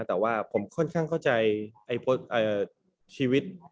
แต่ว่าผมค่อนข้างเข้าใจชีวิต